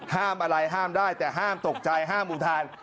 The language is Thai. ห้ามอะไรห้ามได้แต่ห้ามตกใจห้ามอุทาน